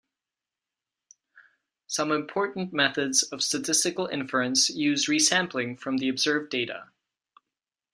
Some important methods of statistical inference use resampling from the observed data.